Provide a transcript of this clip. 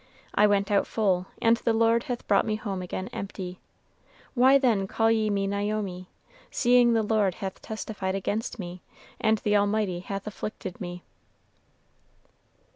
I went out full, and the Lord hath brought me home again empty: why then call ye me Naomi, seeing the Lord hath testified against me, and the Almighty hath afflicted me?"